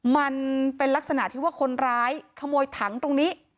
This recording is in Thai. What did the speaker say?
มันเป็นลักษณะที่ว่าคนร้ายขโมยถังตรงนี้